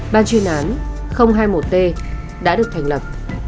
ban chuyên án hai mươi một t đã được thành lập